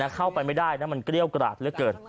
เข้าไปไม่ได้นะมันเกรี้ยวกราดเหลือเกิน